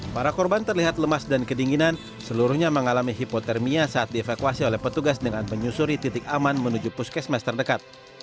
para korban terlihat lemas dan kedinginan seluruhnya mengalami hipotermia saat dievakuasi oleh petugas dengan menyusuri titik aman menuju puskesmas terdekat